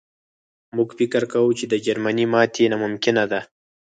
موږ فکر کاوه چې د جرمني ماتې ناممکنه ده